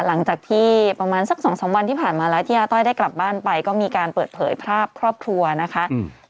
หลังจากที่ประมาณสักสองสามวันที่ผ่านมาแล้วที่อาต้อยได้กลับบ้านไปก็มีการเปิดเผยภาพครอบครัวนะคะอืม